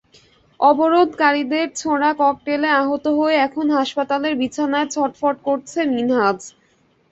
অবরোধকারীদের ছোড়া ককটেলে আহত হয়ে এখন হাসপাতালের বিছানায় ছটফট করছে মিনহাজ।